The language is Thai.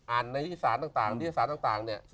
อ่านในที่สารต่าง